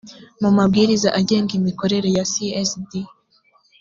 mu mabwiriza agenga imikorere ya csd